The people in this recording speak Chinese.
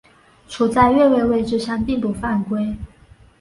处在越位位置上并不犯规。